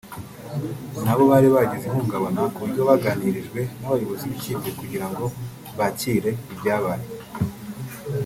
nabo bari bagize ihungabana ku buryo baganirijwe n’abayobozi b’ikipe kugira ngo bakire ibyabaye